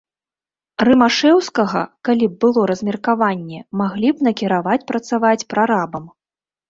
Рымашэўскага, калі б было размеркаванне, маглі б накіраваць працаваць прарабам.